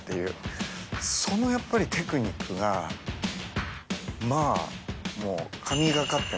そのやっぱりテクニックがまぁもう。